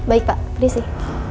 baik pak beri sih